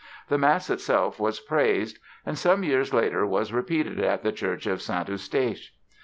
The Mass itself was praised and some years later was repeated at the Church of St. Eustache.